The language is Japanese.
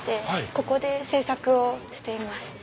ここで制作をしています。